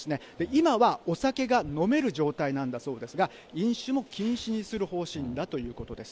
今はお酒が飲める状態なんだそうですが、飲酒も禁止にする方針だということです。